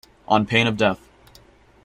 On pain of death.